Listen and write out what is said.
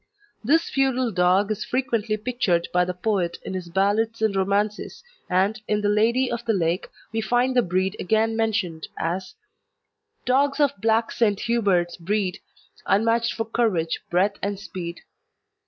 This feudal dog is frequently pictured by the poet in his ballads and romances, and in "The Lady of the Lake" we find the breed again mentioned as " dogs of black St. Hubert's breed, Unmatched for courage, breath, and speed."